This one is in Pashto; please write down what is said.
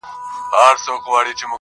څه لښکر لښکر را ګورې څه نیزه نیزه ږغېږې,